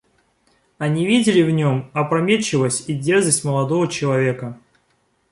Они видели в нем опрометчивость и дерзость молодого человека.